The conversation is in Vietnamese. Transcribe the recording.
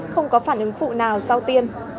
không có phản ứng phụ nào sau tiêm